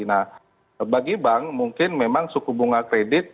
nah bagi bank mungkin memang suku bunga kredit